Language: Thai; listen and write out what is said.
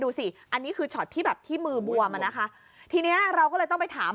ดูสิอันนี้คือช็อตที่แบบที่มือบวมอ่ะนะคะทีเนี้ยเราก็เลยต้องไปถาม